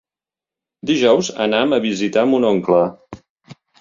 Dijous anam a visitar mon oncle.